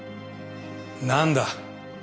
何だ。